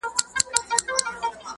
جوړه انګورو څه پیاله ستایمه-